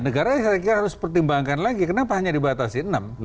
negara harus pertimbangkan lagi kenapa hanya dibatasi enam